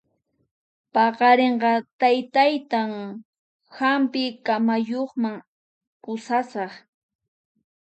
Paqarinqa taytaytan hampi kamayuqman pusasaq